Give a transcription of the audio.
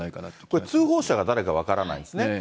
これ、通報者が誰か分からないんですね。